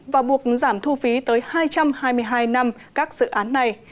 và buộc giảm thu phí tới hai trăm hai mươi hai năm các dự án này